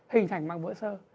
hình thành mảng vữa sơ